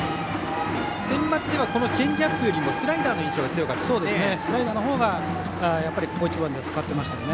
センバツではチェンジアップよりもスライダーの印象が強かったですね。